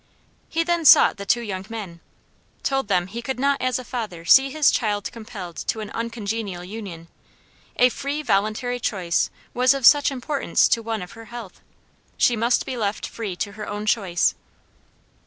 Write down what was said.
He then sought the two young men; told them he could not as a father see his child compelled to an uncongenial union; a free, voluntary choice was of such importance to one of her health. She must be left free to her own choice.